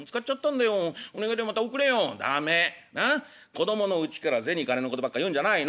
子供のうちから銭金のことばっか言うんじゃないの。